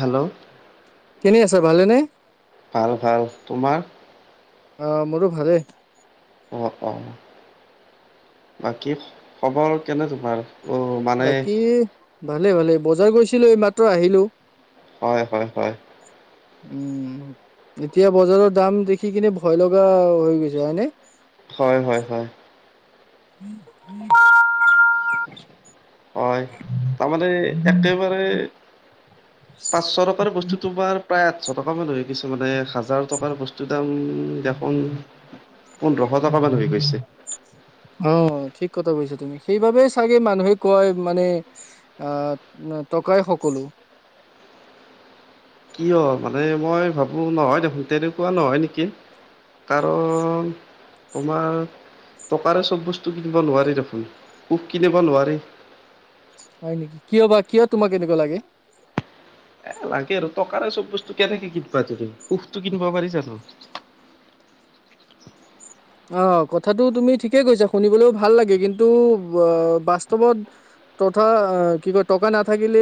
Hello কেনে আছা ভালে নে ভাল ভাল তোমাৰ অ মোৰো ভালেই অ অ বাকী খবৰ কেনে তোমাৰ অ মানে বাকী ভালে ভালে বজাৰ গৈছিলো এই মাত্ৰ আহিলো হয় হয় হয় উম এতিয়া বজাৰৰ দাম দেখি কিনে ভয় লগা হৈ গৈছে হয়নে হয় হয় হয় [unintelligible] হয় তাৰমানে একেবাৰে পাঁচশ টকাৰ বস্তু তোমাৰ প্ৰায় আঠশ টকা মান হৈ গৈছে মানে হাজাৰ টকাৰ বস্তুৰ দাম দেখোন পোন্ধৰশ টকামান হৈ গৈছে অ ঠিক কথা কৈছা তুমি সেইবাবেই চাগে মানুহে কয় মানে অ টকাই সকলো কিয় মানে মই ভাবো নহয় দেখোন তেনেকুৱা নহয় নেকি কাৰণ তোমাৰ টকাৰে চব বস্তু কিনিব নোৱাৰি দেখোন। সুখ কিনিব নোৱাৰি। হয় নেকি, কিয় বা কিয় তোমাৰ এনেকুৱা লাগে? এ লাগে আৰু, টকাৰে চব বস্তু কেনেকে কিনিবা তুমি, সুখতো কিনিব পাৰি জানো? অ' কথাটো তুমি ঠিকেই কৈছা, শুনিবলেও ভাল লাগে কিন্তু আ বাস্তৱত। তথা, কি কয়, টকা নাথাকিলে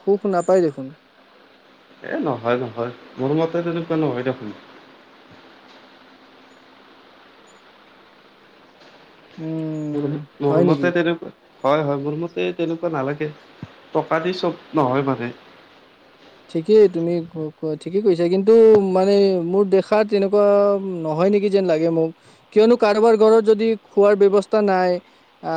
সুখ নাপায় দেখোন। এ নহয়, নহয়, মোৰ মতে তেনেকুৱা নহয় দেখোন। উম'। [unintelligible] মোৰ হয় নেকি? মতে তেনেকুৱা। হয়, হয়, মোৰ মতে তেনেকুৱা নালাগে, টকা দি চব নহয় মানে। ঠিকেই, তুমি ক ঠিকেই কৈছা, কিন্তু মানে মোৰ দেখাত তেনেকুৱা নহয় নেকি। যেন লাগে মোক, কিয়নো কাৰোবাৰ ঘৰত যদি খোৱাৰ ব্যৱস্থা নাই। আ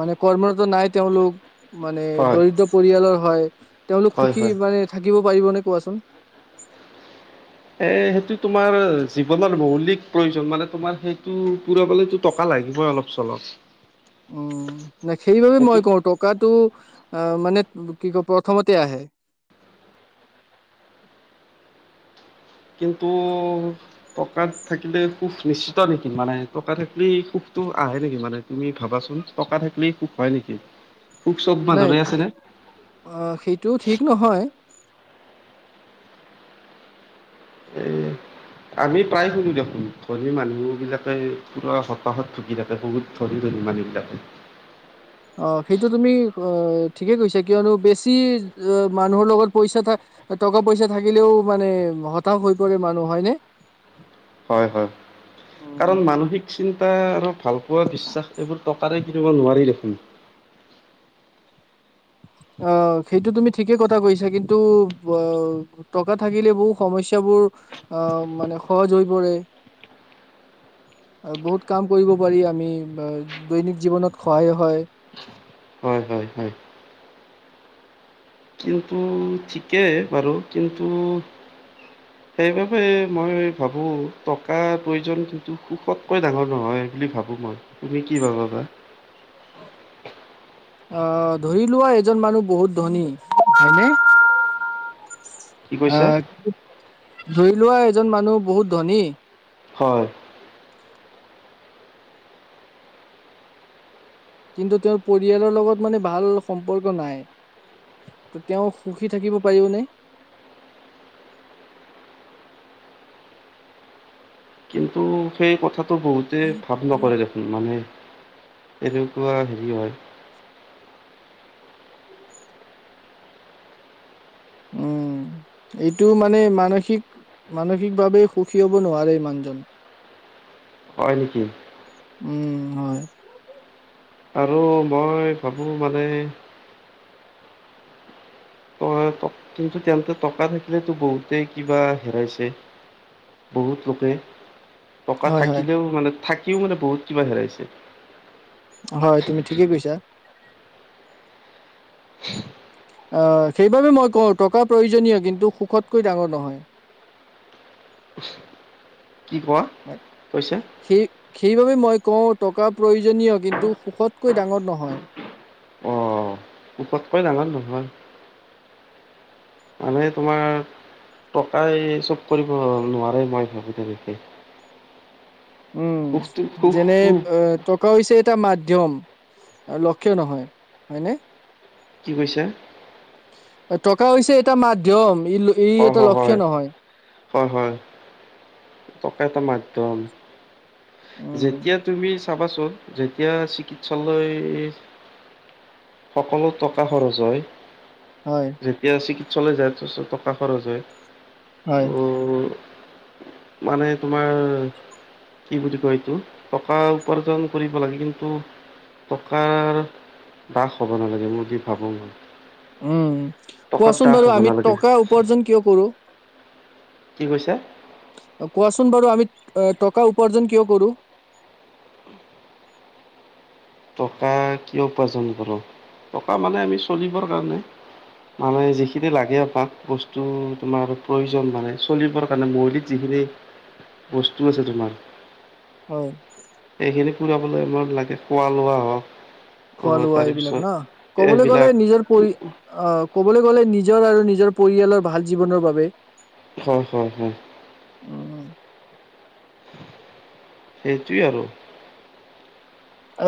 মানে কৰ্মৰত নাই তেওঁলোক। মানে হয় দৰিদ্ৰ পৰিয়ালৰ হয়, তেওঁলোক হয় সুখী হয় মানে থাকিব পাৰিবনে কোৱাচোন? এ সেইটো তোমাৰ জীৱনৰ মৌলিক প্ৰয়োজন। মানে তোমাৰ সেইটো পুৰাবলে টকা লাগিবই অলপ চলপ। [inaudible] উম' নেখেলিবলে মই সেইটোত কওঁ, টকাটো আ মানে কি কয় প্ৰথমতে আহে। কিন্তু। টকাত থাকিলে সুখ নিশ্চিত নেকি, মানে টকা থাকিলেই সুখটো আহে নেকি মানে? তুমি ভাবাচোন টকা থাকিলেই সুখ হয় নেকি। সুখ চব নাই, মানুহৰে আছেনে অ' সেইটোও ঠিক নহয়। এই। আমি প্ৰায় শুনো দেখোন, ধনী মানুহবিলাকে পুৰা হতাশাত ভুগি থাকে। ধনী, ধনী মানুহ বিলাকে। অ' সেইটো তুমি অ' ঠিকে কৈছা, কিয়নো বেছি মানুহৰ লগত পইচা থাক টকা পইচা থাকিলেও মানে, হতাশ হৈ পৰে মানুহ হয় নে? হয়, হয়, কাৰণ মানসিক চিন্তা আৰু ভালপোৱা, বিশ্বাস এইবোৰ টকাৰে কিনিব নোৱাৰি দেখোন। অ' সেইটো তুমি ঠিকে কথা কৈছা, কিন্তু ব টকা থাকিলে বহু সমস্যাবোৰ, আ মানে সহজ হৈ পৰে। বহুত কাম কৰিব পাৰি আমি, দৈনিক জীৱনত সহায় হয়। হয় হয়, হয়। কিন্তু ঠিকেই বাৰু, কিন্তু [inaudible] সেইবাবে মই ভাবোঁ, টকাৰ প্ৰয়োজন কিন্তু সুখতকৈ ডাঙৰ নহয় বুলি ভাবোঁ মই। তুমি কি ভাবা বা? অ' ধৰি লোৱা এজন মানুহ বহুত ধনী হয়, হয় নে? কি কৈছা আ' ধৰি লোৱা এজন মানুহ বহুত ধনী। হয়। কিন্তু তেওঁৰ পৰিয়ালৰ লগত মানে ভাল সম্পৰ্ক নাই। ত' তেওঁ সুখী থাকিব পাৰিব নে? কিন্তু সেই কথাটো বহুতেই ভাব নকৰে দেখোন মানে, এনেকুৱা হেৰি হয়। [unintelligible] উম'। এইটো মানে মানসিক মানসিকভাৱে সুখী হ'ব নোৱাৰে মানুহজন। হয় নেকি? উম' হয়। আৰু মই ভাবোঁ মানে ত' কিন্তু তেওঁলে টকা থাকিলেতো বহুতেই কিবা হেৰাইছে। বহুত লোকে টকা হয়, হয়, থাকিলেও মানে থাকিও মানে বহুত কিবা হেৰাইছে। হয় তুমি ঠিকে কৈছা। অঁ, সেইবাবে মই কওঁ টকা প্ৰয়োজনীয় কিন্তু সুখতকৈ ডাঙৰ নহয়। কি কোৱা? হয়। কৈছে সেই সেইবাবে মই কওঁ টকা প্ৰয়োজনীয় কিন্তু সুখতকৈ ডাঙৰ নহয়। পতকৈ ডাঙৰ নহয়। মানে তোমাৰ টকাই চব কৰিব নোৱাৰে মই ভাবোঁ তেনেকে। উম, সুখটো সুখ যেনে সুখ এ টকা হৈছে এটা মাধ্যম, লক্ষ্য নহয়, হয়নে? কি কৈছে? টকা হৈছে এটা মাধ্যম ই হয় এটা লক্ষ্য হয় নহয়। হয় হয়, টকা এটা মাধ্যম। উম, যেতিয়া তুমি চাবাচোন যেতিয়া চিকিৎসালয় সকলো টকা খৰচ হয়। হয়। যেতিয়া চিকিৎসালয় যায় ত টকা খৰচ হয়। হয়। ত' মানে তোমাৰ কি বুলি কয় এইটো টকা উপাৰ্জন কৰিব লাগে কিন্তু টকাৰ বাস হ'ব নালাগে, মই দি মই ভাবোঁ মানে। উম, কোৱাচোন বাৰু হ'ব আমি নালাগে টকা উপাৰ্জন কিয় কৰোঁ? কি কৈছা? অ কোৱাচোন বাৰু আমি টকা উপাৰ্জন কিয় কৰোঁ? টকা কিয় উপাৰ্জন কৰোঁ, টকা মানে আমি চলিবৰ কাৰণে। মানে যিখিনি লাগে আমাক বস্তু তোমাৰ প্ৰয়োজন মানে চলিবৰ কাৰণে মৌলিক যিখিনি বস্তু আছে তোমাৰ হয়। এইখিনি ফুৰাবলৈ আমাক লাগে খোৱা লোৱা হওঁক। খোৱা লোৱা এইবিলাক ন, ক'বলৈ গ'লে এইবিলাক নিজৰ পৰি অঁ, ক'বলৈ গ'লে নিজৰ আৰু নিজৰ পৰিয়ালৰ ভাল জীৱনৰ বাবে হয় হয় হয়। অঁ। সেইটোৱে আৰু।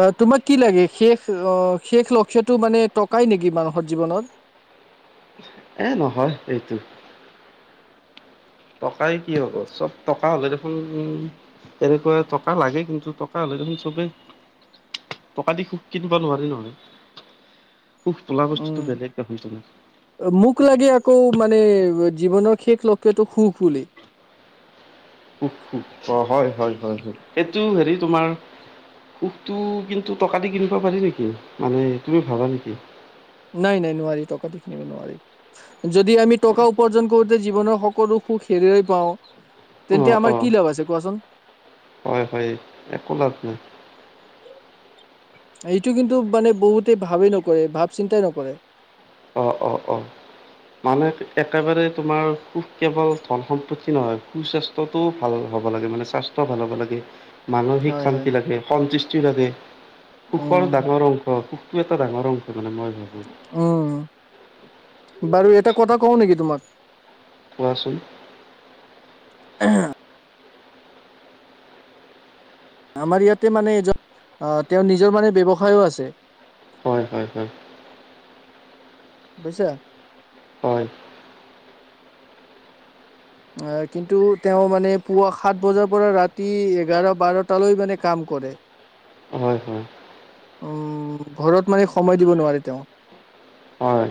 অঁ, তোমাক কি লাগে শেষ অঁ' শেষ লক্ষ্য টো মানে টকাই নেকি, মানুহৰ জীৱনত? এ নহয় এইটো। টকাৰে কি হ'ব চব টকা হ'লে দেখোন তেনেকুৱা টকা লাগে, কিন্তু টকা হ'লে দেখোন চবেই টকা দি সুখ কিনিব নোৱাৰি নহয়। সুখ বোলা বস্তুটো বেলেগকে বুজা হৈছিল। অ' মোক লাগে আকৌ মানে জীৱনৰ শেষ লক্ষ্য টো সুখ বুলি। হোহ হোহ অ' হয় হয় হয় হয়, সেইটো হেৰি তোমাৰ সুখটো, কিন্তু টকা দি কিনিব পাৰি নিকি মানে তুমি ভাবা নিকি? নাই, নাই নোৱাৰি টকাই দি কিনিব নোৱাৰি। যদি আমি টকা উপাৰ্জন কৰোঁতে জীৱনৰ সকলো সুখ হেৰিৱাই পাওঁ, অ তেন্তে অ আমাৰ কি লাভ আছে কোৱাচোন? হয় হয়, একো লাভ নাই। এইটো কিন্তু মানে বহুতে ভাবে নকৰে, ভাৱ চিন্তাই নকৰে। অ অ অ মানুহে একেবাৰে তোমাৰ, সুখ কেৱল ধন -সম্পত্তি নহয় সুস্বাস্থ্য তটো ভাল হ'ব লাগে মানে স্বাস্থ্য ভাল হ'ব লাগে। মানসিক হয় হয় শান্তি লাগে, সন্তুষ্টিও লাগে, সুখৰ উম ডাঙৰ অংশ, সুখটো এটা ডাঙৰ অংশ মানে মই ভাবোঁ। অ' বাৰু এটা কথা কওঁ নেকি তোমাক? কোৱাচোন? [unintelligible] আমাৰ ইয়াতে মানে এজন, আ তেওঁৰ নিজৰ মানে ব্যৱসায়ো আছে। হয়, হয় হয়। বুইছা, হয়, হয় কিন্তু তেওঁ মানে পুৱা সাত বজাৰ পৰা ৰাতি এঘাৰ, বাৰটালৈ মানে কাম কৰে। [inaudible] হয় হয়। উম, ঘৰত মানে সময় দিব নোৱাৰে তেওঁ। হয়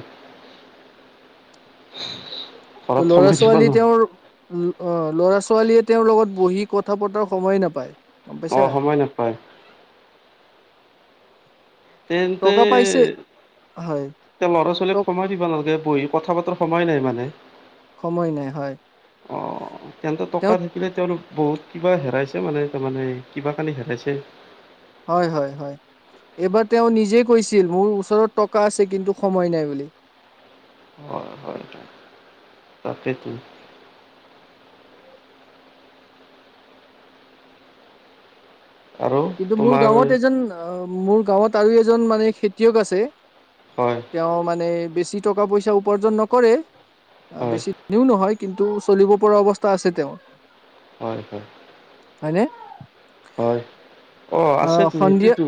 ত ঘৰত সময় দিব ল'ৰা-ছোৱালী নোৱাৰে তেওঁৰ উম, অহ ল'ৰা-ছোৱালীয়ে তেওঁৰ লগত বহি কথা পতাৰ সময়ে নাপায়। গম অ, পাইছা সময় নাপায়। তেন্তে টকা পাইছে হয় এতিয়া ত ল'ৰা-ছোৱালীক সময় দিব নালাগে বহি কথা পাতাৰ সময় নাই মানে। সময় নাই হয়। অ তেন্তে তেওঁ টকা থাকিলে তেওঁৰ বহুত কিবা হেৰাইছে মানে তাৰমানে কিবা-কানি হেৰাইছে। হয় হয় হয়, এইবাৰ তেওঁ নিজে কৈছিল মোৰ ওচৰত টকা আছে কিন্তু সময় নাই বুলি। হয়, হয়। তাকেটো, আৰু কিন্তু মোৰ তোমাৰ গাঁৱত এজন অ' মোৰ গাঁৱত আৰু এজন মানে খেতিয়ক আছে। হয়। তেওঁ মানে বেছি টকা-পইচা উপাৰ্জন নকৰে। হয় বেছি ধনীও নহয় কিন্তু চলিব পৰা অৱস্থা আছে তেওঁৰ। হয় হয়। হয়নে? হয় অ আছেতো সেইটোৱেইতো।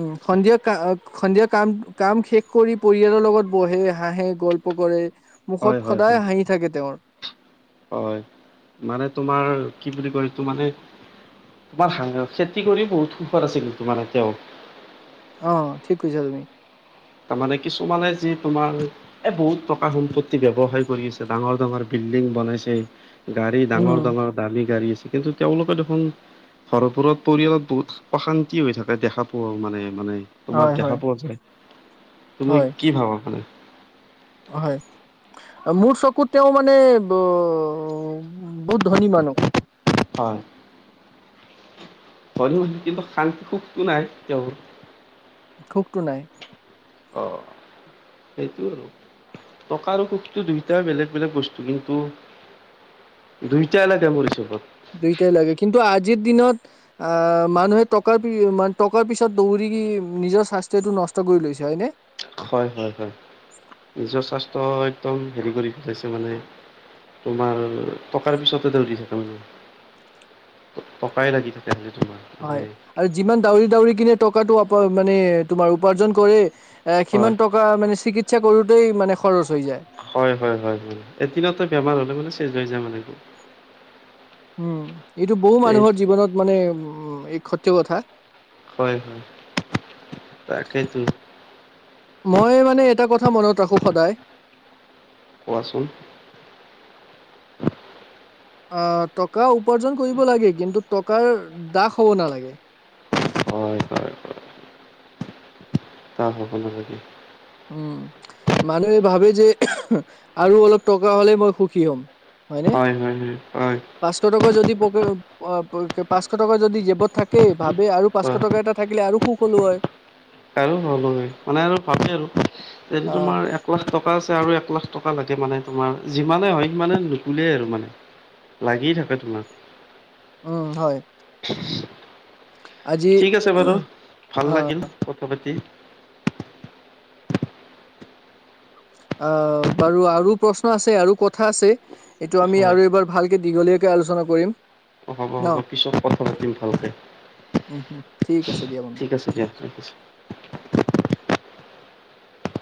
উম সন্ধিয়া কা সন্ধিয়া কাম কাম শেষ কৰি পৰিয়ালৰ লগত বহে, হাঁহে, গল্প কৰে। হয় মুখত হয় হয় সদায় হাঁহি থাকে তেওঁৰ। হয়। মানে তোমাৰ কি বুলি কয় এইটো মানে তোমাৰা [unintelligible] খেতি কৰিও বহুত সুখত আছে কিন্তু মানে তেওঁ। অ', ঠিক কৈছা তুমি। তাৰমানে কিছুমানে যি তোমাৰ, এ বহুত টকা সম্পত্তি ব্যৱসায় কৰি আছে ডাঙৰ ডাঙৰ বিল্ডিং বনাইছে, গাড়ী উম ডাঙৰ-ডাঙৰ দামী গাড়ী আছে কিন্তু তেওঁলোকে দেখোন ঘৰবোৰত পৰিয়ালত বহুত অশান্তি হৈ থাকে, দেখা পোৱা মানে-মানে তোমাৰ হয় হয় দেখা পোৱা যায়। তুমি হয় কি ভাৱা মানে? হয়। মোৰ চকুত তেওঁ মানে ব-বহুত ধনী মানুহ। হয়। হৈয়ো, কিন্তু শান্তি-সুখটো নাই তেওঁৰ। সুখটো নাই। অ', সেইটোৱে আৰু। টকা আৰু সুখটো দুইটাই বেলেগ বেলেগ বস্তু, কিন্তু দুইটাই লাগে মোৰ হিচাবত। দুইটাই লাগে, কিন্তু আজিৰ দিনত আহ মানুহে টকাৰ-টকাৰ পিছত দৌৰি নিজৰ স্বাস্থ্যটো নষ্ট কৰি লৈছে, হয়নে? হয়, হয়, হয়। নিজৰ স্বাস্থ্য একদম হেৰি কৰি পেলাইছে মানে তোমাৰ টকাৰ পিছতে দৌৰি থাকে মানে। টকাই লাগি থাকে [unintelligible] তোমাৰ। হয়, মানে আৰু যিমান দাউৰি দাউৰি কিনে টকাটো আপ মানে তোমাৰ উপাৰ্জন কৰে আহ, হয় সিমান টকা মানে চিকিৎসা কৰোঁতেই মানে খৰচ হৈ যায়। হয়, হয়। হয়, হয়। এদিনতে বেমাৰ হ'লে মানে চেজ হৈ যায় মানে। উম, এইটো বহু এই মানুহৰ জীৱনত মানে উ [unintelligible] সত্য কথা। হয়। তাকেইতো। মই মানে এটা কথা মনত ৰাখো সদায় কোৱাচোন? অ', টকা উপাৰ্জন কৰিব লাগে, কিন্তু টকাৰ দাস হ'ব নালাগে। হয় হয় দাস হ'ব নালাগে। উম, মানুহে ভাৱে যে আৰু অলপ টকা হ'লে মই সুখী হ'ম। হয়নে? হয়, হয়। হয়, হয়। পাঁচশ টকা যদি পকেট অ', [unintelligible] পাঁচশ টকা যদি জেপত থাকে ভাৱে, আৰু পাঁচশ হয় টকা এটা থাকিলে আৰু সুখ হ'লো হয়। কাৰো [unintelligible] মানে আৰু ভাৱে আৰু যদি আহ তোমাৰ একলাখ টক টকা আছে আৰু একলাখ টকা লাগে মানে তোমাৰ, যিমানে হয় সিমানে নুকুলায় আৰু মানে। লাগিয়ে থাকে তোমাক। উম, হয়। [inaudible] আজি ঠিক আছে বাৰু, ভাল লাগিল কথা পাতি। অ', বাৰু আৰু প্ৰশ্ন আছে, আৰু কথা আছে। এইটো আমি হয় আৰু এইবাৰ ভালকে দীঘলীয়াকে আলোচনা কৰিম। অ', হ'ব, ন হ'ব, পিছত কথা পাতিম ভালকে। উম, উম, ঠিক আছে দিয়া বন্ধু। ঠিক আছে।